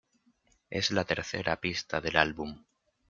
Es la tercera pista del álbum.